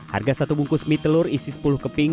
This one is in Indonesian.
harga satu bungkus mie telur isi sepuluh keping